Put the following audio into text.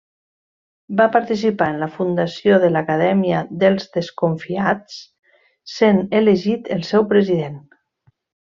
Va participar en la fundació de l'Acadèmia dels Desconfiats, sent elegit el seu president.